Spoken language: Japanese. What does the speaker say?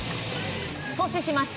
阻止しました。